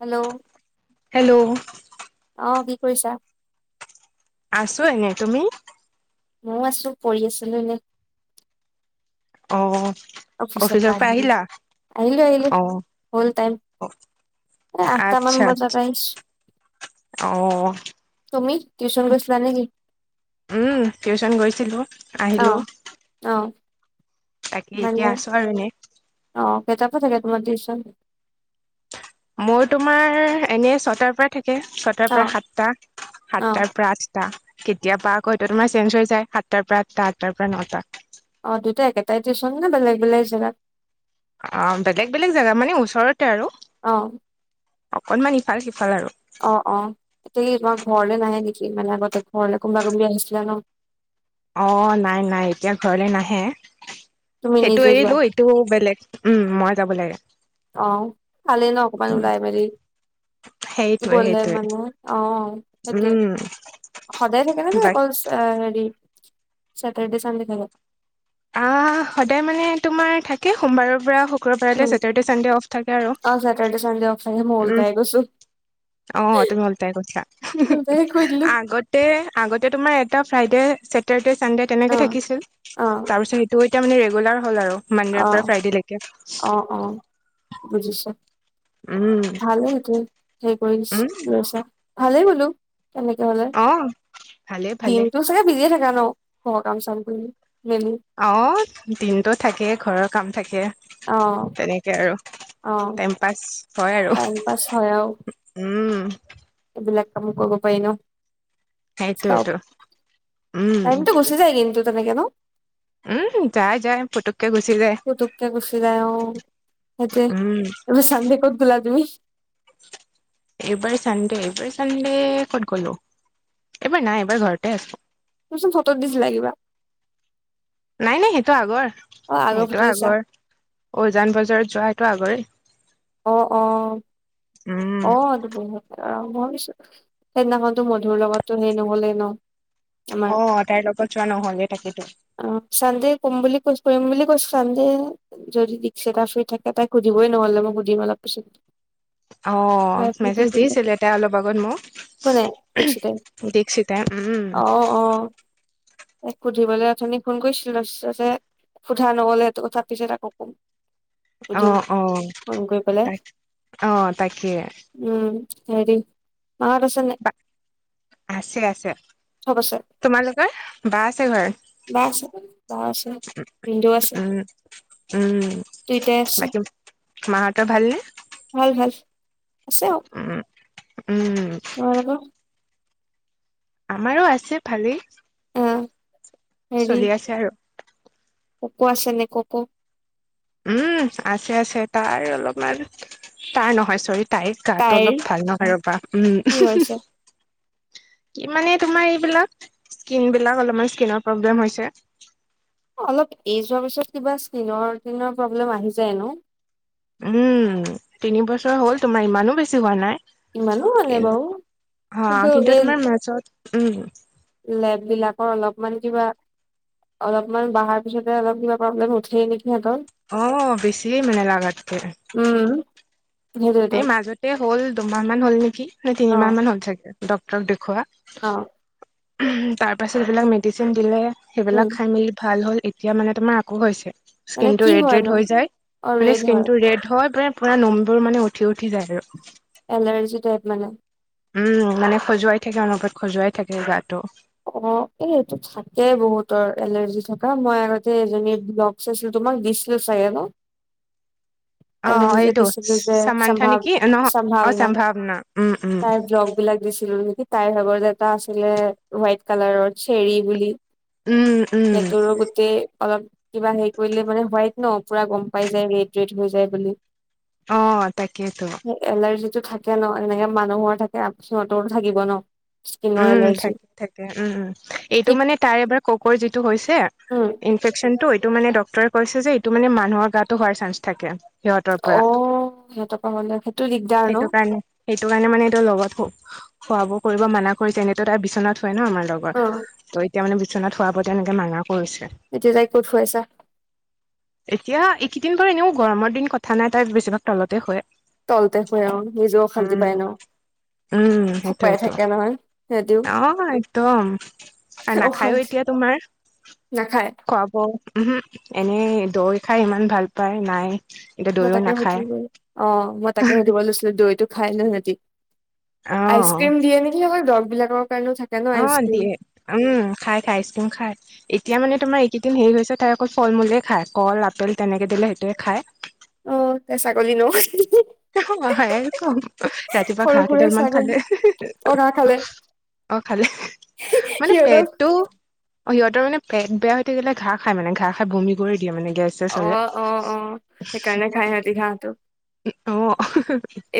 Hello hello অ কি কৰিছাঁ? আছোঁ এনেই তুমি? মইয়ো আছো পঢ়ি আছিলোঁ এনে অ অফিচৰ পৰা আহিলোঁ আহিলোঁ আহিলোঁ অ হ'ল টাইম এ আঠ টা মান আচ্ছা বজাত আচ্ছা আহিছোঁ। অ তুমি টিউচন গৈছিলা নে কি উম টিউচন গৈছিলো অ আহিলো অ তাকে মানে এতিয়া আছো আৰু এনেই অ কেইতাপা থাকে তোমাৰ টিউচন? মোৰ তোমাৰ এনেই ছটাৰ পৰা থাকে ছ টাৰ অ পৰা সাতটা অ সাতটাৰ পৰা আঠটা। কেতিয়াবা আকৌ এইটো তোমাৰ চেঞ্জ হৈ যায় সাতটাৰ পৰা আঠটা আঠটাৰ পৰা নটা। অ দুইটা একেটাই টিউচন নে বেলেগ বেলেগ জেগাত? অ বেলেগ- বেলেগ জেগা মানে ওচৰতে আৰু অ অকণমান ইফাল সিফাল আৰু অ, অ এতিয়া কি তোমাৰ ঘৰলে নাহে নেকি মানে আগতে ঘৰলে কোনোবা কোনোবি আহিছিলে ন অ নাই নাই এতিয়া ঘৰলে নাহে, তুমি সেইটো নিজে যোৱা এৰিলো এই টো বেলেগ উম মই যাব লাগে অ, ভালে ন অকমান উম ওলাই মেলি সেইটোৱে গলে সেইটোৱে মানে অ সেইটোৱে উম সদায় থাকে নে নে বাকী অকল এ হেৰি চেটাৰডে চানডে থাকে আহ, সদায় মানে তোমাৰ থাকে সোমবাৰৰ পৰা শুক্ৰবাৰলৈ চেটাৰডে চানডে অফ থাকে আৰু চেটাৰডে চানডে অফ থাকে হয় উম অ তুমি উলটাই পঠিওৱা মুলতাই কৈ দিলো আগত তে আগতে তোমাৰ এটা ফ্ৰাইডে চেটাৰডে চানডে অ তেনেকে থাকিছিল, অ তাৰপিছত এ টো এতিয়া মানে ৰেগুলাৰ হ'ল আৰু অ মানডেৰ পৰা ফ্ৰাইডেলেকে। অ অ বুজিছো উম ভালে সেইটোৱে সেই কৰি উম লৈছা ভালে বুলো তেনেকে হলে অ ভালে ভালে দিনতো চাগে বিজিয়ে থাকা ন ঘৰৰ কাম চাম কৰি মেলি। অ দিনতো থাকে ঘৰৰ কাম থাকে। অ তেনেকে আৰু অ পাচ হয় আৰু টাইম পাছ হয় আৰু উম এইবিলাক কাম কৰিব পাৰি ন। সেইটোয়েতো উম টাইমটো গুচি যায় কিন্তু তেনেকে ন উম যায় যায় পুতুককে গুচি যায়। পুতুককে গুচি যায় অ, সেইটোৱে উম তাৰপিছত চানডে ক'ত গলা তুমি? এইবাৰ চানডে এইবাৰ চানডে কত গলো এইবাৰ নাই এইবাৰ ঘৰতে আছো তই চোন ফটোত দিছিলা কিবা। নাই নাই সেইটো আগৰ অ সেইটো ফটো দিছা আগৰ উজান বজাৰত যোৱা সেইটো আগৰে অ, অ, উম অ এইটো বহুত। অ মই কৈছো সেইদিনাখনতো মধুৰ লগততো হেই নহলেই ন আমাৰ অ, তাইৰ লগত যোৱা নহলে তাকেতো। অ চানডে কম বুলি কৈ কৰিম বুলি কৈছো চানডে যদি দিকছ টা শুই থাকে তাক সুধিবই নহ'লে মোক সুধিম অলপিছত। অ, মেছেজ দিছিল এ তাই অলপ আগত মোক। কোনে দিকচতে দীক্ষিতাই উম অ অ সুধিবলৈ অথনী ফোন কৰিছিলে তাৰপিছতে যে সোধা নগলে, সেইটো কথা পিছত আকৌ কম। অ, সুধিম অ ফোন কৰি পেলাই তাক অ তাকে উম, হয় দে বা আছে আছে চব আছে তোমালোকৰ বা আছে ঘৰত। বা আছে বা ভিনদৌ আছে। উম। উম দুইটাই আছে বাকী মাহঁতৰ ভালনে? ভাল ভাল আছে আৰু উম উম তোমালোকৰ? আমাৰো আছে ভালেই। অ'। হেৰি চলি আছে আৰু। ককো আছে নে ককো। উম আছে আছে তাৰ অলপমান তাৰ নহয় চৰিত তাই গাটো তাইৰ অলপ ভাল নহয় ৰ'বা কি উম। হৈছে কিমানে তোমাৰ এই বিলাক ক্ৰিম বিলাক অলপ ইচকিনৰ‌ প্ৰব্লেম হয়ছে। অ অলপ এইজ হোৱাৰ পিছত কিবা স্কিনৰ কিনৰ প্ৰব্লেম আহি যায়ন! উম, তিন বছৰ হ'ল তোমাৰ ইমানো বেছি হোৱা নাই। ইমানো মানে কি বাৰু হা কিন্তু তোমাৰ মাজত উম। লেব বিলাকৰ অলপ মান কিবা অলপমান বাহাৰ পিছতে অলপ কিবা প্ৰব্লেম উঠেই নেকিহত। অ বেছিয়ে মেল লাগাতকে। উম। সেইটোৱেতো এই মাজতে হ'ল দুমাহ মান হ'ল নেকি নে তিনিমাহ মান হ'ল চাগে ডক্তৰক দেখুওৱা। অঁ'। তাৰ পাছত সেই বিলাক মেডিচিন দিলে উম সেইবিলাক খাই মেলি ভাল হল। এতিয়া মানে তোমাৰ আকৌ হৈছে মানে স্কিন টো কি ৰেড হয় ন ৰেড হৈ যায় অ মানে ৰেড স্কিন হয় টো ৰেড হয় মে পুৰা নুমবোৰ মানে উঠি উঠি যায় আৰু। এলাৰজি টাইপ মানে। উম মানে খজুৱাই থাকে অনবৰত খজুৱাই থাকে গাটো। অ এইটো থাকে বহুতৰ এলাৰ্জি থকা মই আগতে এজনী চইচিলো তোমাক দিছিলোঁ চাগে ন। অ', এজনি যে এইটো দিছিলোঁ যে চামান্থা সম্ভাৱ নেকি নহ অ', সম্ভাৱনা উম, উম, তাই জ্ বিলাক দিছিলোঁ নেকি তাইৰ ভাগত এটা আছিলে হোৱাইট কালাৰৰ চেৰী বুলি। উম, উম, সেইটোৰো গোটেই অলপ কিবা হেৰি কৰিলে মানে হোৱাইট ন পুৰা গম পাই যায় ৰেড ৰেড হৈ যায় বুলি। অ তাকেই ত। এলাৰ্জি টো থাকে ন এনেকে মানুহৰ থাকে সিহঁতৰো থাকিব ন। স্কিনৰ উম, এলাৰ্জি। থাকে থাকে উম উ এইটো কি মানে তাৰ এবাৰ ককইৰ যিটো হৈছে উম। ইনফেকচনটো এইটো মানে ডক্তৰে কৈছে যে এইটো মানে মানুহৰ গাটো হোৱাৰ চান্স থাকে। সিহঁতৰ পৰা। অ', সিহঁতপা হ'লে সেইটো দিগদাৰ ন। সেইটো কাৰণে সেইটো কাৰণে মানে এইটো লগত খুৱাব কৰিব মানা কৰি তেনেতো তাই বিচনাত শুৱে ন আমাৰ অ লগত। ত এতিয়া মানে বিচনাত শুৱাৰ পৰা এনেকে মানা কৰিছে। এতিয়া তাই ক'ত শুৱাইছা। এতিয়া এইকেইদিন বাৰু এনেও গৰমৰ দিন কথা নাই তাই বেছিভাগ তলতে হয়। তলতে শুৱে নিজেও অশান্তি পাই নও উম খুব পাই সেইটোয়েটো থাকে নহয়। সিহঁতিও অ একদম আৰু নাখায়ো অশান্তি এতিয়া তোমাৰ নাখায় খুৱাব উ এনেই দৈ খাই ইমান ভাল পায় নাই। এতিয়া মই দৈও তাকে নাখায় সুধিব অ মই তাকে সুধিব লৈছিলো দৈটো খাই ন সিহঁতি অ' আইচক্ৰীম দিয়ে নেকি হয় দৰৱ বিলাকৰ কাৰণেও থাকে। ন অ আইচক্ৰীম দিয়ে উম খাই খাই আইচক্ৰীম খাই। এতিয়া মানে তোমাৰ এইকেইদিন হেৰি হৈছে তাই অকল ফল মূলেই খায় কল আপেল তেনেকে দিলে সেইটোৱে খায়। অ তে ছাগলী ন। হ কম ৰাতিপুৱা সৰু ঘাঁহ সুৰা কেইডালমান ছাগলী খালে। অ ঘাঁহ খালে অ খালে মানে সিহঁতক পেটটো অ সিহঁতৰ মানে পেট বেয়া হৈ থাকিলে ঘাঁহ খাই মানে ঘাঁহ খাই বমি কৰি দিয়ে মানে গেছ চেছ অ হলে অ অ সেইকাৰণে খাই সিহঁতে ঘাঁহটো অ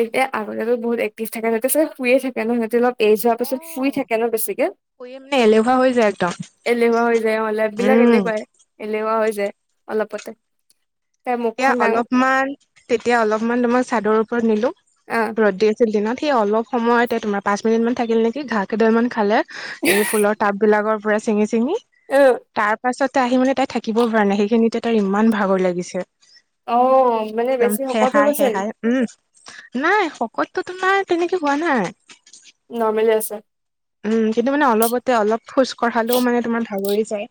এতিয়া আগতিয়াকৈ বহুত একটিভ থাকে ন সিহঁতে চ শুইয়ে থাকে ন সিহঁতে লগ এ যোৱাৰ পিছত শুই থাকে ন বেছিকে নাই ল [unintelligible] এলেহুৱা হৈ যায় লেপ বিলাক উম এনেকুৱাই এলেহুৱা হৈ যায় অলপতে তাইৰ তেতিয়া মুখখন ডাঙৰ অলপমান তেতিয়া অলপমান মই চাদৰ ওপৰত নিলো আহ ৰ'দ দি আছিল দিনত সি অলপ সময়তে তোমাৰ পাঁচ মিনিট মান থাকিল নেকি ঘাঁহ কেইডাল মান খালে এই ফুলৰ টাব বিলাকৰ পৰা চিঙি চিঙি অ তাৰ পাছতে আহি মানে তাই থাকিব পৰা নাই সেইখিনিতে তাই ইমান ভাগৰ লাগিছে অ মানে একদম বেছি শকত হৈ সেহাই গৈছে নি সেহাই উম নাই শকতটোতো তোমাৰ তেনেকে হোৱা নাই নৰ্মেলেই আছে উম কিন্তু মানে অলপতে অলপ খোজ কঢ়ালেও মানে তোমাৰ ভাগৰি যায়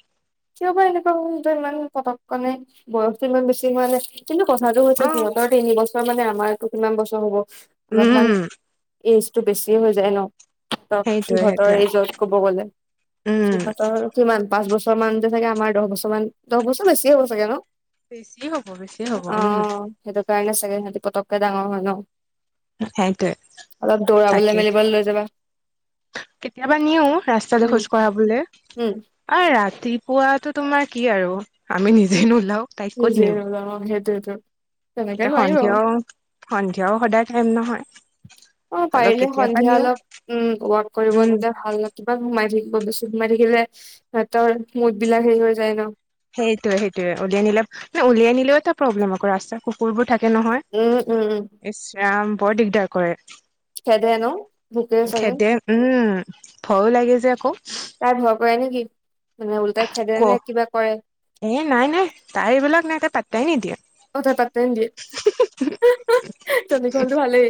কিয় বা এনেকুৱা কো ইমান পতকক মানে বয়সটো ইমান বেছি মানে কিন্তু কথাটো হৈছে অ সিহঁতৰ তিনি বছৰ মানে আমাৰো কিমান বছৰ হ'ব অলপমান উম ইউজটো বেছি হৈ যায় ন সেইটোয়ে সিহঁতৰ সেইটোয়ে এইজত কব গলে উম সিহঁতৰ কিমান পাঁচ বছৰ মান যে চাগে আমাৰ দহ বছৰ মান দহ বছৰ বেছি হ'ব চাগে ন বেছিয়ে হ'ব বেছিয়ে হ'ব অ উম সেইটো কাৰণে চাগে সিহঁতি পতককে ডাঙৰ হয় ন সেইটোৱে অলপ দৌৰাবলে তাকে মেলিবলে লৈ যাবা কেতিয়াবা নিও ৰাস্তাটো উম খোজ কঢ়াবলৈ উম আ ৰাতিপুৱাটো তোমাৰ কি আৰু আমি নিজে নোলাও তাই ক'ত নিজে নিম সেইটোৱেতো তেনেকে এতিয়া নোৱাৰিম আৰু সন্ধিয়াও সন্ধিয়াও সদায় টাইম নহয় অ হ'লেও পাৰিলে কেতিয়াবা সন্ধিয়া নিও অলপ উম ৱাক কৰিব উম নিদে ভাল কিবা সোমাই থাকিব বস্তু সোমাই থাকিলে তহতৰ মুদ বিলাক হেৰি হৈ যায় ন সেইটোয়ে, সেইটোয়ে উলিয়াই নিলে মানে উলিয়াই আনিলেও এটা প্ৰব্লেম আকৌ ৰাস্তা কুকুৰবোৰ থাকে নহয়। উম, উম, উম। ইচ ৰাম বৰ দিগদাৰ কৰে। খেদে ন ভোকে চাগে খেদে উম ভয়ো লাগে যে আকৌ। তাই ভয় কৰে নেকি মানে উ ওল্টাই খেদে ক নে কিবা কৰে। এ নাই, নাই তাই এইবিলাক নাই একে পাতাই নিদিয়ে। কথা পাতে নিদিয়ে তখনলতো ভালেই।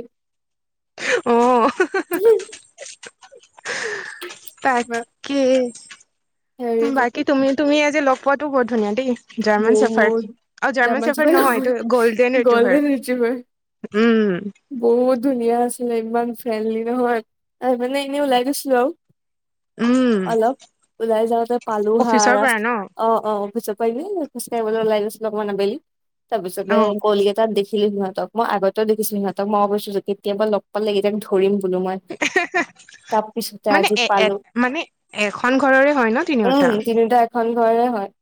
অ'। [unintelligible] বাকী, হেৰিটো কি বাকী তুমি, তুমি আজি লগ পোৱাটো বৰ ধুনীয়া দেই। জাৰ্মান চাফাৰ বহুত আৰু জাৰ্মান চাফাৰ নহয় এইটো গল্ডেন ইটোভাৰ। উম। বহুত ধুনীয়া আছিলে ইমান ফ্ৰেণ্ডলি নহয় ত মানে এনেই ওলাই গৈছিলোঁ আৰু। উম অলপ ওলাই যাওঁতে পালো হা অফিচৰ ৰাস পৰা ন অ', অ' ৰ অফিজ পাৰিলে খোজকাঢ়িবলৈ ওলাই গৈছিলোঁ অকমান আবেলি তাৰপিছতে অ' তাত দেখিলোঁ সিহতক মই আগতেও দেখিছো সিহঁক মই অৱশ্যে কেতিয়াবা লগ পালেইটাক ধৰিম বোলো মই [inaudible] তাৰ পিছতে মানে আজি এ এ পালোঁ মানে এখন ঘৰৰে হয় ন তিনিওটা উম তিনিটা। ভাল ঘৰে হয়।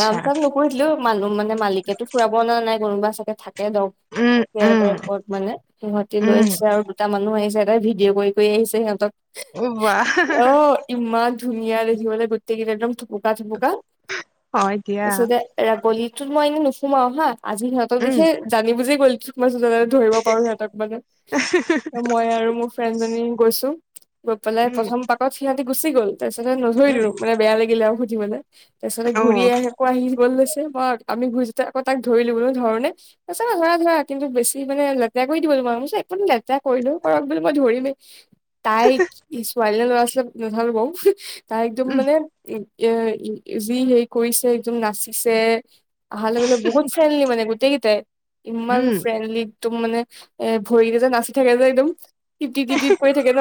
নাম চাম নোখোধিলোও মানুহ মানে মালিকেতো ফুৰাব ন নাই কোনোবা চাগে থাকে। এ উম ডাক্টৰ উম টাইপৰ মানে সিহতি লৈ উম আহিছে আৰু দুটা মানুহ আহিছে। তাই ভিডিঅ' কৰি আহিছে সিহঁতক উ ববা হা হ। অ ইমান ধুনীয়া দেখিবলৈ গোত ই কেইটা থুপুকা থুপুকা। হয় দিয়া পিছতে এ গলিটোত মই এনেই নুসোমাও হা আজি সিহঁতক উম দেখে জানি বুজি গলিটো সিহতক দুটা ধৰিব পাৰোঁ সিহঁতক মানে মই আৰু মোৰ ফ্ৰেণ্ড জনী গৈছোঁ গৈ পেলাই উম প্ৰথম পাকত সিহঁতি গুচি গ'ল তাৰপিছতে নধৰি উম বেয়া লাগিলে আৰু সুধিবলৈ তাৰ পিছতে ঘূৰি অ' আহি আকৌ আহি গ'ল লৈ মই আমি ঘূৰি যতে আকৌ তাক ধৰিলো ধৰণে তছতা ধৰা ধৰা কিন্তু বেছি মানে লেতেৰা কৰি দিব লো আৰু একো লেতেৰা কৰিলোঁ কৰক বুলি মই ধৰিলো তাই ছোৱালী ল'ৰা ছোৱালীয়ে নাথালো বাৰু তাই একদম উম মানে একে যি হেৰি কৰিছে একদম নাচিছে। অহাৰ লগে, লগে বহুত ফ্ৰেণ্ডলি মানে গোটেইকেইটাই ইমান উম ফ্ৰেণ্ডলি একদম মানে এ ভৰি কিতা নাছিল থাকে যে একদম তিপ্তি, তিপ্তিত পৰি থাকে ন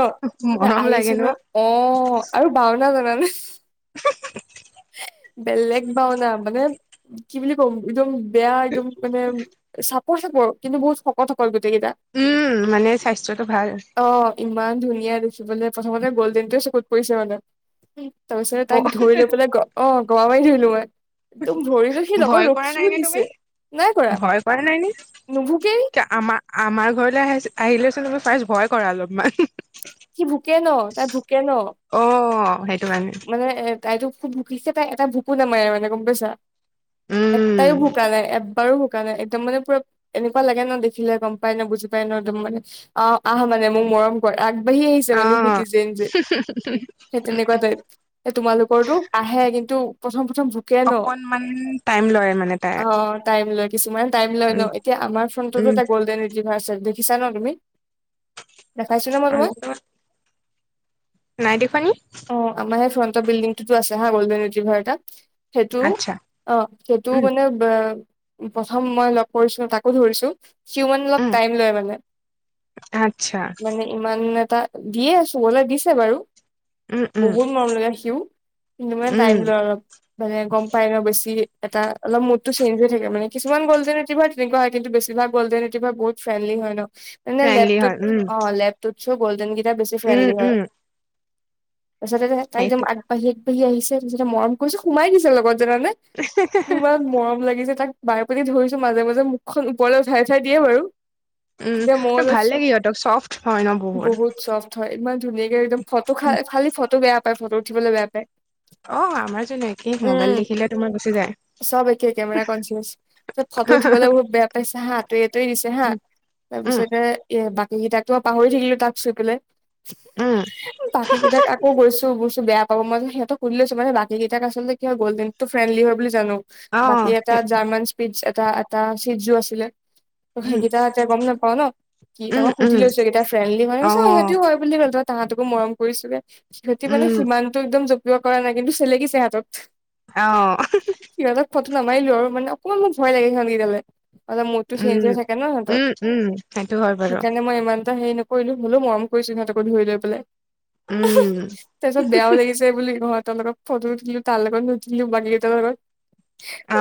মৰম আহিছ লাগে ন অ', আৰু বাওনা জানানে বেলেগ বাওনা মানে কি বুলি ক'ম একদম বেয়া একদম মানে চাপৰ, চাপৰ কিন্তু বহুত শকত, শকত গোটেইকেইটা উম, মানে স্বাস্থ্যটো ভাল। ইমান ধুনীয়া দিখি বোলে প্ৰথমতে গ'ল্ডেন তোৱে চকুত পৰিছে মানে তাৰপিছতে তাক অ' ধৰি লৈ পেলাই অ', গমাব পাৰি ধৰিলো মই একদম ধৰি লৈ সি লগত ভয় কৰা নাই ৰখিও নে দিছে। তুমি নাই কৰা ভয় নাই নে নুভোকেই। আমাৰ আমাৰ ঘৰলৈ আহি আহিলেচোন তুমি ফাৰ্ষ্ট ভয় কৰা অলপমান সি ভোকে ন তাই ভোকে ন অ সেইটো কাৰণে মানে এ তাইতো খুব ভুকি তাই এটা ভুকো নামাৰে মানে গ'ম পাইছা। এটাইও উম ভোকা নাই, এবাৰো ভোকা নাই। একদম মানে, পূৰা এনেকুৱা লাগে ন' দেখিলে, গম পাই ন' বুজি পাই ন'! একদম মানে, অ'! আহ মানে, মোৰ মৰম আগবাঢ়ি আহিছে অ মানে, সি নিজে-নিজে। [unintelligible] সেই তেনেকুৱা টাইপ। এই, তোমালোকৰটো আহে। কিন্তু, প্ৰথম-প্ৰথম ভুকে ন'? অকনমান টাইম লয় মানে তাই অ'! টাইম লৈ কিছুমানে, টাইম লয় উম ন'! এতিয়া, আমাৰ ফ্ৰণ্টটো উম এটা গল্ডেন ৰিট্ৰিভাৰ আছে। দেখিছা ন' তুমি? দেখাইছোঁ ন' মই তোমাক? নাই দেখুৱা নি। অ'! আমাৰ সেই, ফ্ৰণ্ট বিল্ডিং টোটো আছে হা, গল্ডেন ৰিট্ৰিভাৰ এটা। সেইটো, আচ্ছা অ'! সেইটো উম মানে, প্ৰথম মই লগ কৰিছোঁ, তাকো ধৰিছোঁ। সিও মানে, অলপ উম টাইম লয় মানে। আচ্ছা মানে, ইমান এটা, দিয়ে আছোঁ, [unintelligible] দিছে বাৰু। উম উম বহুত মৰম লগা সিও! কিন্তু, মানে উম টাইম লয় অলপ। মানে, গম পায় ন' বেছি এটা, অলপ মুডটো চেঞ্জ হৈ থাকে মানে। কিছুমান গল্ডেন ৰিট্ৰিভাৰ এনেকুৱা হয়। কিন্তু, বেছিভাগ গল্ডেন ৰিট্ৰিভাৰ বহুত ফ্ৰেণ্ডলি হয় ন'! মানে, ফ্ৰেণ্ডলি লেপটপ হয় উম অ'! লেপ [unintelligible] গল্ডেন কেইটা বেছি উম ফ্ৰণ্ডলি হয়। উম তাৰপিছতে, তাই একদম সেইটো আবাঢ়ি, আগবাঢ়ি আহিছে। তাৰপিছতে, মৰম কৰিছোঁ, সোমাই দিছে, লগত জানানে! কিমান মৰম লাগিছে তাক! বাৰে প্ৰতি ধৰিছোঁ, মাজে-মাজে মুখখন ওপৰলৈ উঠাই-উঠাই দিয়ে, বাৰু। উম! তেতিয়া মই আৰু অলপ ভাল চব লাগে, সিহঁতক! চফ্ট হয় ন' বহুত। থয়, ইমান ধুনীয়াকে একদম! ফটো খাল-খালি ফটো বেয়া পায়, ফটো উঠিবলৈ বেয়া পায়। অ'! আমাৰ জনো একেই, উম মোবাইল দেখিলে তোমাৰ, গুচি যায়। চব একে, কেমেৰা কনচিয়াচ। চব ফটো উঠিবলৈ বহুত বেয়া পাইছে হা! ত' এইটোৱে দিছে হা। উম উম তাৰপিছতে, এ, বাকী কেইটাক পাহৰি থাকিলোঁ, তাক চুই পেলাই। উম। বাকী কেইটাক আকৌ গৈছোঁ-গৈছোঁ। বেয়া পাব, মই সিহঁতক সুধি লৈছোঁ মানে, বাকীকেইটাক আচলতে, কি হয়, গল্ডেনটো ফ্ৰেণ্ডলি হয় বুলি জানোঁ। অ বাকী এটা, জাৰ্মান স্পিচ, এটা-এটা চিজো আছিলে। ত' উম সেইকেইটা এতিয়া গম নাপাওঁ ন'! কি? উম মই সুধি উম লৈছোঁ, এইকেইটা ফ্ৰেণ্ডলি হয়নে? অ চ' সিহঁতিও হয় বুলি ক'লে। তাৰপিছত, তাহাঁতকো মৰম কৰিছিলে। সিহঁতি মানে, উম সিমানটো একদম জঁপিওৱা কৰা নাই। কিন্তু, চেলেকিছে হাতত। অ'! ওহোঁ, হোঁ! সিহঁতক ফটো নামাৰিলো আৰু। মানে, অকণমান মোৰ ভয় লাগে! সিহঁত কেইটালে। অলপ মুডটো চেঞ্জ উম হৈ থাকে ন' সিহঁতৰ। উম উম সেইটো হয় বাৰু সেইকাৰণে, মই ইমান এটা সেৰি কৰিলোঁ, হ'লেও মৰম কৰিছোঁ সিহঁতকো ধৰি লৈ পেলাই। ওহোঁ! উম তাৰ পিছত, বেয়াও লাগি ছে বুলি, সিহঁতৰ লগত ফটো উঠিলোঁ। তাৰ লগত নুঠিলোঁ, বাকী কেইটাৰ লগত। অ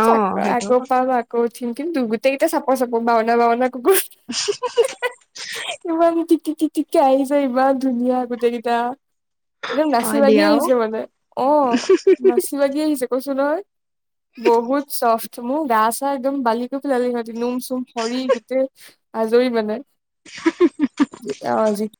সেইটো আকৌ, পাম আকৌ উঠিম। কিন্তু, গোটেইকেইটা চাপৰ-চাপৰ, বাওনা-বাওনা কুকুৰ। [unintelligible] [unintelligible] ইমান, টিক-টিক-টিককে আহিছে, ইমান ধুনীয়া গোটেই কেইটা! একদম হয় নাচি-বাগি দিয়াও আহিছে মানে। অ'! নাচি -বাগি আহিছে, কৈছোঁ নহয়। বহুত চফ্ট, মোৰ গা- চা একদম বালি কৰি পেলালে সিহঁতি। নোম-চোম সৰি গোটেই, আজৰি মানে। যেতিয়া, অ'! যিটো